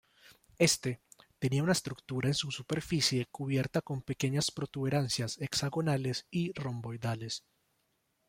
Este tenía una estructura en su superficie cubierta con pequeñas protuberancias hexagonales y romboidales.